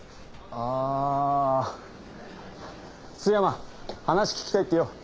ああ須山話聞きたいってよ。